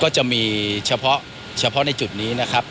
จะมีเฉพาะในจุดนี้